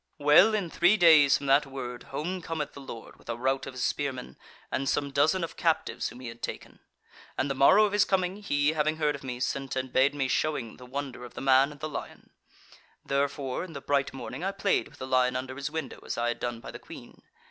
"Well, in three days from that word home cometh the Lord with a rout of his spearmen, and some dozen of captives, whom he had taken. And the morrow of his coming, he, having heard of me, sent and bade me showing the wonder of the Man and the Lion; therefore in the bright morning I played with the lion under his window as I had done by the Queen.